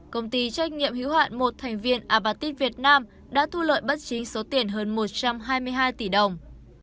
công ty trách nhiệm hữu hạn một thành viên apatit việt nam đã thu lợi bất chính số tiền hơn một trăm hai mươi hai tỷ đồng